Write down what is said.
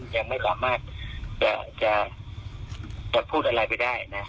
ยังไม่สามารถจะพูดอะไรไปได้นะ